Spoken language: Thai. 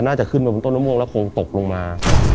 น่าจะขึ้นไปบนต้นมะม่วงแล้วคงตกลงมา